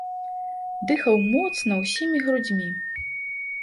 Дыхаў моцна ўсімі грудзьмі.